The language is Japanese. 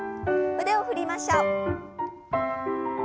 腕を振りましょう。